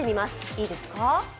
いいですか？